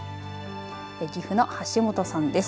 岐阜の橋本さんです。